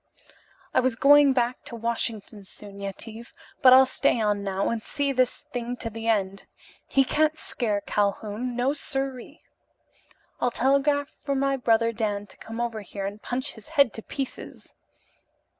I was going back to Washington soon, Yetive, but I'll stay on now and see this thing to the end. He can't scare a Calhoun, no sir ee. I'll telegraph for my brother Dan to come over here and punch his head to pieces."